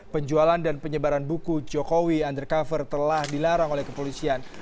penjualan dan penyebaran buku jokowi undercover telah dilarang oleh kepolisian